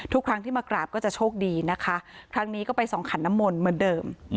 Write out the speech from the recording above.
ทุกครั้งที่มากราบก็จะโชคดีนะคะครั้งนี้ก็ไปส่องขันน้ำมนต์เหมือนเดิม